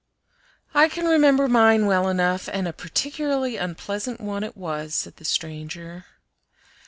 "I can remember mine well enough, and a particularly unpleasant one it was," said the stranger.